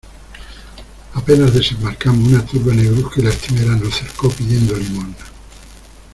apenas desembarcamos, una turba negruzca y lastimera nos cercó pidiendo limosna.